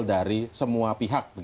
dari semua pihak